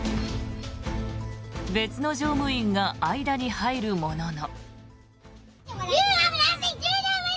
別の乗務員が間に入るものの。